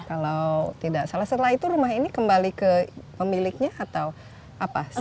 kalau tidak salah setelah itu rumah ini kembali ke pemiliknya atau apa